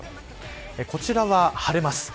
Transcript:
こちらは晴れます。